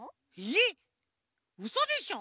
えっうそでしょ！？